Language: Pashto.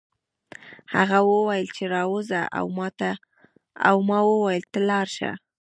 هغه وویل چې راوځه او ما وویل ته لاړ شه